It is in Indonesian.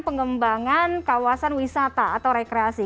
pengembangan kawasan wisata atau rekreasi